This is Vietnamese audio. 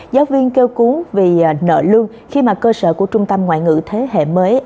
giáo viên kêu cuốn vì nợ lương khi mà cơ sở của trung tâm ngoại ngữ thế hệ mới